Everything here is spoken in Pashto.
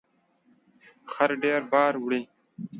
خر ډیر بار وړي